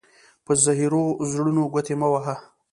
په زهيرو زړونو گوتي مه وهه.